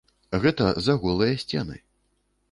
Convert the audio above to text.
Гэта за голыя сцены.